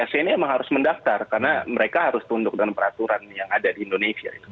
sini emang harus mendaftar karena mereka harus tunduk dengan peraturan yang ada di indonesia